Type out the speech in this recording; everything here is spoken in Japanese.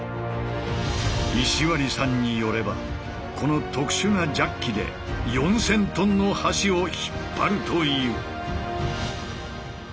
石割さんによればこの特殊なジャッキで４，０００ｔの橋を引っ張るという。